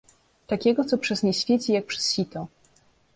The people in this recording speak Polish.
"takiego, co przez nie świeci, jak przez sito."